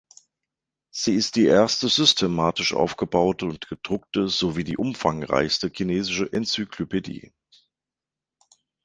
Sie ist die erste systematisch aufgebaute und gedruckte sowie die umfangreichste chinesische Enzyklopädie.